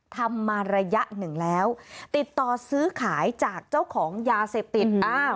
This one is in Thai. ทำมาระยะหนึ่งแล้วติดต่อซื้อขายจากเจ้าของยาเสพติด